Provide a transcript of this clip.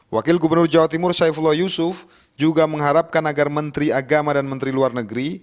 wakil gubernur jawa timur saifullah yusuf juga mengharapkan agar menteri agama dan menteri luar negeri